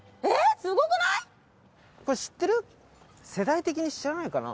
世代的に知らないかな？